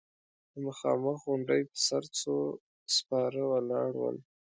د مخامخ غونډۍ پر سر څو سپاره ولاړ ول.